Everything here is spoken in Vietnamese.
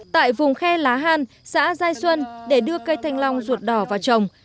tại vùng khe lá han xã giai xuân để đưa cây thanh long ruột đỏ vào trồng